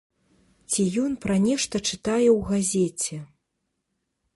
Ці ён пра нешта чытае ў газеце.